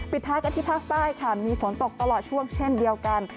ท้ายกันที่ภาคใต้ค่ะมีฝนตกตลอดช่วงเช่นเดียวกัน